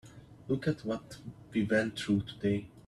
Look at what we went through today.